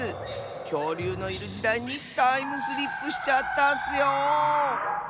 きょうりゅうのいるじだいにタイムスリップしちゃったッスよ。